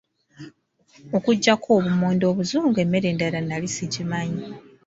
Okuggyako obummonde obuzungu, emmere endala nali sigimanyi.